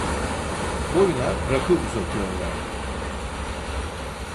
Boyuna rakı uzatıyorlardı.